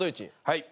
はい。